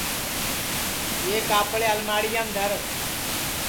یہ کاپڑے الماڑِیام دھر